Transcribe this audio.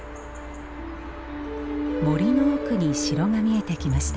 森の奥に城が見えてきました。